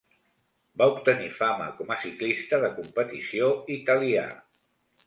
Va obtenir fama com a ciclista de competició italià.